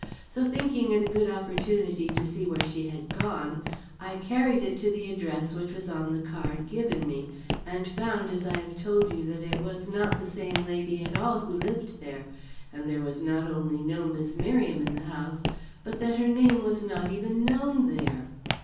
So thinking it a good opportunity to see where she had gone, I carried it to the address which was on the card given me, and found as I have told you that it was not the same lady at all who lived there, and that there was not only no Miss Merriam in the house but that her name was not even known there."